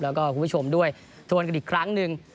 แล้วก็คุณผู้ชมด้วยทวนกันอีกครั้งหนึ่ง